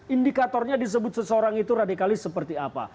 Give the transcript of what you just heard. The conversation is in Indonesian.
indikatornya disebut seseorang itu radikalis seperti apa